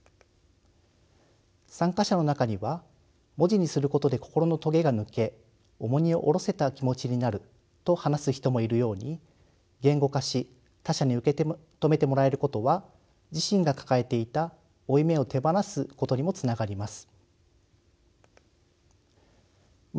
参加者の中には文字にすることで心のトゲが抜け重荷を下ろせた気持ちになると話す人もいるように言語化し他者に受け止めてもらえることは自身が抱えていた負い目を手放すことにもつながります。